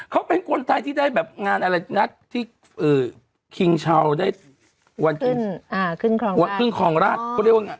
ขี่หมาตีโปโลกับเจ้าชายวิลเลี่ยม